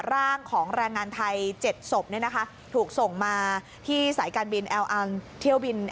ร่างของแรงงานไทย๗ศพถูกส่งมาที่สายการบินแอลอังเที่ยวบิน